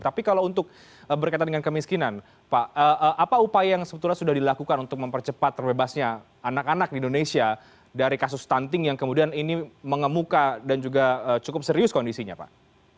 tapi kalau untuk berkaitan dengan kemiskinan pak apa upaya yang sebetulnya sudah dilakukan untuk mempercepat terbebasnya anak anak di indonesia dari kasus stunting yang kemudian ini mengemuka dan juga cukup serius kondisinya pak